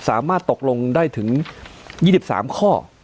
สามารถตกลงได้ถึง๒๓ข้อ